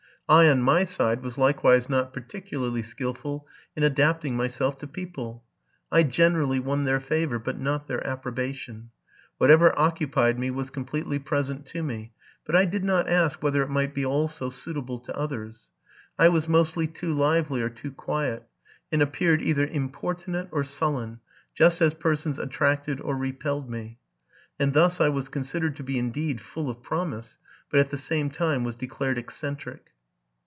I, on my side, was likewise not particularly skilful in adapting my self to people. I generally won their favor, but not their approbation. Whatever occupied me was completely present to me, but I did not ask whether it might be also suitable to others. I was mostly too lively or too quiet, and appeared either importunate or sullen, just as persons attracted or repelled me; and thus I was considered to be indeed full of promise, but at the same time was declared eccentric.